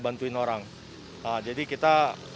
bantuin orang jadi kita